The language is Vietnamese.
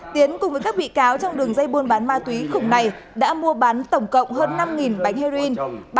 tiến cùng với các bị cáo trong đường dây buôn bán ma túy khủng này đã mua bán tổng cộng hơn năm bánh heroin